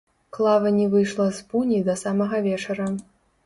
Клава не выйшла з пуні да самага вечара.